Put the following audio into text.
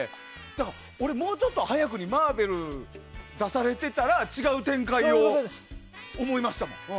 だから俺もうちょっと早くにマーベル出されてたら違う展開を思いましたもん。